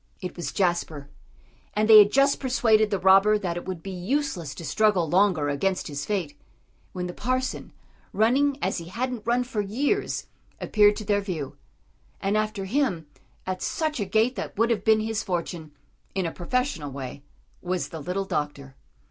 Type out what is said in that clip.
It was Jasper. And they had just persuaded the robber that it would be useless to struggle longer against his fate, when the parson, running as he hadn't run for years, appeared to their view. And after him, at such a gait that would have been his fortune, in a professional way, was the little doctor.